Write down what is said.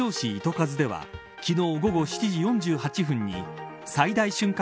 数では昨日午後７時４８分に最大瞬間